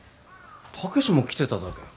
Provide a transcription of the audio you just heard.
武も来てただけ。